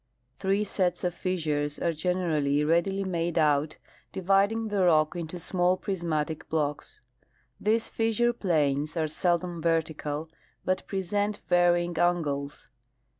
Three sets of fissures are generally readily made out, dividing the rock into small prismatic blocks. These fissure planes are seldom vertical, but present varying angles.